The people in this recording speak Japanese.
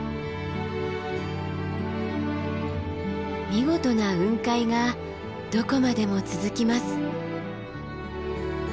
見事な雲海がどこまでも続きます。